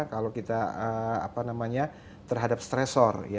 kalau kita terhadap stressor